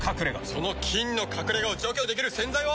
その菌の隠れ家を除去できる洗剤は。